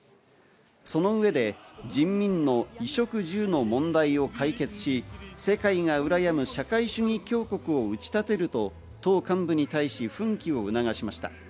その上で人民の衣食住の問題を解決し、世界がうらやむ社会主義強国を打ち立てると党幹部に対し奮起を促しました。